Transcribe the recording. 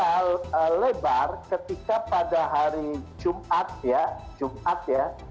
buka lebar ketika pada hari jumat